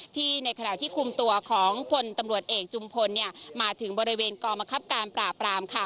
ในขณะที่คุมตัวของพลตำรวจเอกจุมพลมาถึงบริเวณกองมะครับการปราบรามค่ะ